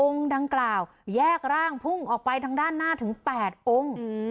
ดังกล่าวแยกร่างพุ่งออกไปทางด้านหน้าถึง๘องค์